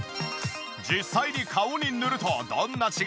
実際に顔に塗るとどんな違いが出るのか？